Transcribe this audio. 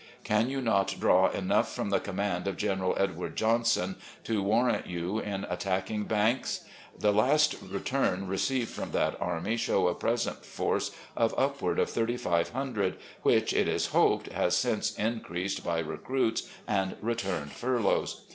Can you not draw enough from the command of General Edward Johnson to warrant you in attacking Banks ? The last return received from that army show a present force of upward of thirty five hundred, which, it is hoped, has since increased by recruits and returned fur loughs.